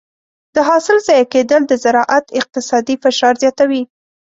د حاصل ضایع کېدل د زراعت اقتصادي فشار زیاتوي.